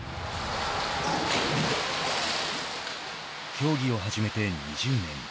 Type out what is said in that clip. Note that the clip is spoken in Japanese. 競技を始めて２０年。